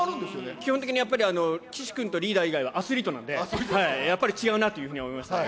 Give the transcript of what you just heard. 基本的にやっぱり、岸君とリーダー以外はアスリートなので、やっぱり違うなというふうに思いましたね。